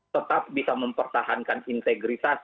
tetap bisa mempertahankan integritas